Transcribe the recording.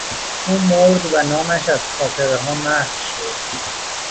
او مرد و نامش از خاطرهها محو شد.